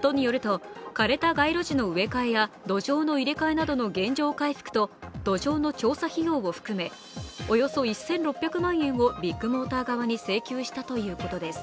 都によると、枯れた街路樹の入れ替えや土壌の入れ替えなどの原状回復と土壌の調査費用を含めおよそ１６００万円をビッグモーター側に請求したということです。